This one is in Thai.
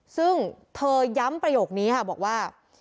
ซึ่งเธอย้ำประโยคนี้ค่ะบอกว่า